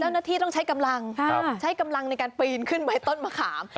เจ้าหน้าที่ต้องใช้กำลังใช้กำลังในการปีนขึ้นไปต้นมะขาม